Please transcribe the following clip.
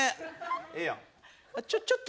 ええやん。